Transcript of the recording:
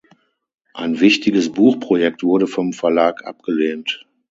Ein wichtiges Buchprojekt wurde vom Verlag abgelehnt.